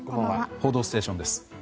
「報道ステーション」です。